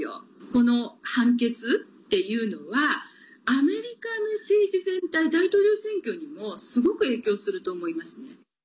この判決っていうのはアメリカの政治全体大統領選挙にもすごく影響すると思いますね。